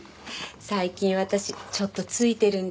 最近私ちょっとツイてるんです。